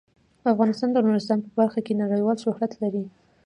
افغانستان د نورستان په برخه کې نړیوال شهرت لري.